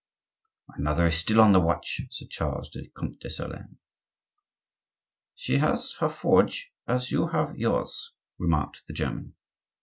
"My mother is still on the watch," said Charles to the Comte de Solern. "She has her forge as you have yours," remarked the German.